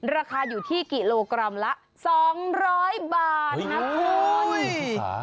ราคาอยู่ที่กิโลกรัมละ๒๐๐บาทนะคุณ